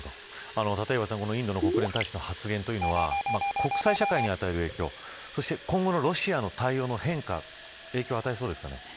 立岩さん、インドの国連大使の発言というのは国際社会に与える影響、そして今後のロシアの対応の変化影響を与えそうですかね。